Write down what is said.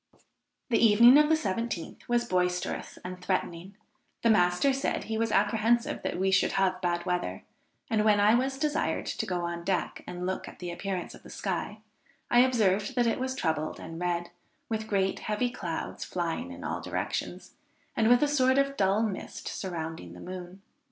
"The evening of the 17th was boisterous and threatening; the master said he was apprehensive that we should have bad weather; and when I was desired to go on deck and look at the appearance of the sky, I observed that it was troubled and red, with great heavy clouds flying in all directions, and with a sort of dull mist surrounding the moon.